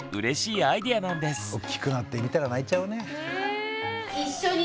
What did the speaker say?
おっきくなって見たら泣いちゃうね。